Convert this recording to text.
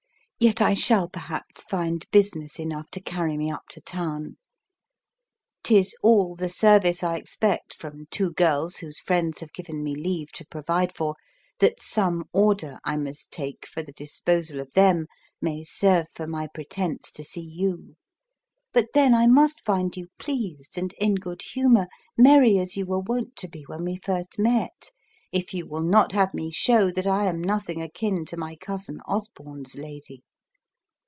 Yet I shall perhaps find business enough to carry me up to town. 'Tis all the service I expect from two girls whose friends have given me leave to provide for, that some order I must take for the disposal of them may serve for my pretence to see you; but then I must find you pleased and in good humour, merry as you were wont to be when we first met, if you will not have me show that I am nothing akin to my cousin Osborne's lady.